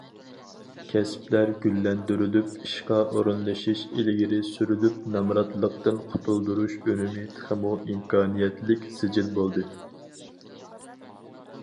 كەسىپلەر گۈللەندۈرۈلۈپ، ئىشقا ئورۇنلىشىش ئىلگىرى سۈرۈلۈپ، نامراتلىقتىن قۇتۇلدۇرۇش ئۈنۈمى تېخىمۇ ئىمكانىيەتلىك سىجىل بولدى.